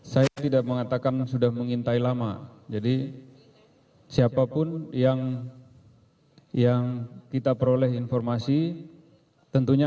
saya tidak mengatakan sudah mengintai lama jadi siapapun yang yang kita peroleh informasi tentunya